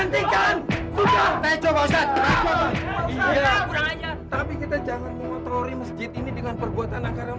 terus kita jangan mengotori masjid ini dengan peluang yang banyak